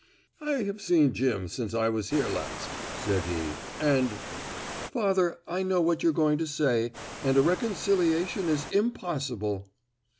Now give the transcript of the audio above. "I have seen Jim since I was here last," said he, "and " "Father, I know what you're going to say and a reconciliation is impossible.